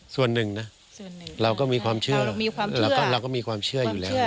ส่วนหนึ่งนะเราก็มีความเชื่อเราก็มีความเชื่ออยู่แล้ว